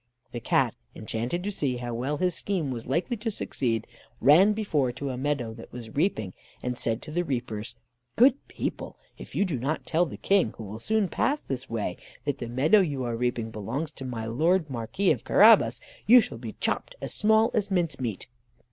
The Cat, enchanted to see how well his scheme was likely to succeed, ran before to a meadow that was reaping, and said to the reapers: "Good people, if you do not tell the King, who will soon pass this way, that the meadow you are reaping belongs to my Lord Marquis of Carabas, you shall be chopped as small as mince meat."